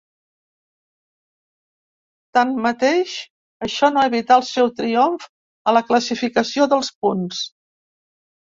Tanmateix, això no evità el seu triomf a la classificació dels punts.